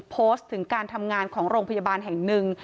โพสต์ถึงการทำงานของโรงพยาบาลแห่งหนึ่ง